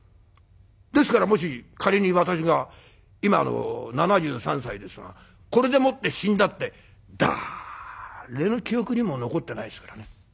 ですからもし仮に私が今７３歳ですがこれでもって死んだってだれの記憶にも残ってないですからね。